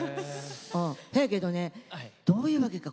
そやけどねどういうわけか